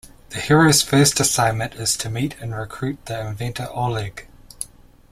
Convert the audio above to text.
The Hero's first assignment is to meet and recruit the inventor Oleg.